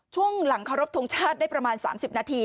ช่วงหลังเคารพทงชาติได้ประมาณ๓๐นาที